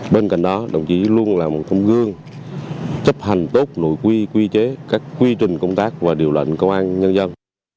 bên cạnh đó đồng chí luôn là một tấm gương chấp hành tốt nội quy quy chế các quy trình công tác và điều lệnh công an nhân dân